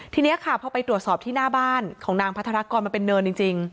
ทีนี้ค่ะพอไปตรวจสอบที่หน้าบ้านของนางพัฒนากรมันเป็นเนินจริง